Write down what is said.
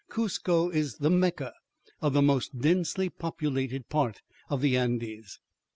Cuzco is the Mecca of the most densely populated part of the Andes.